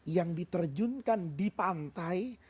yang diterjunkan di pantai